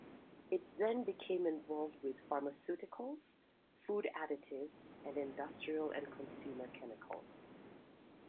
It then became involved with pharmaceuticals, food additives, and industrial and consumer chemicals.